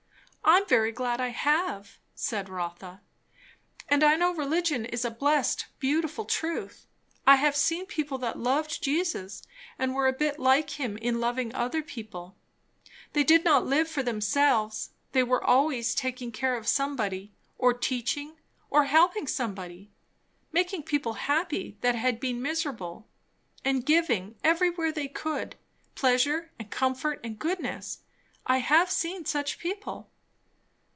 "I am very glad I have," said Rotha; "and I know religion is a blessed, beautiful truth. I have seen people that loved Jesus, and were a little bit like him in loving other people; they did not live for themselves; they were always taking care of somebody, or teaching or helping somebody; making people happy that had been miserable; and giving, everywhere they could, pleasure and comfort and goodness. I have seen such people."